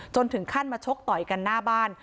ถึงขั้นมาชกต่อยกันหน้าบ้าน